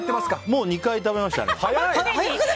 もう２回食べました。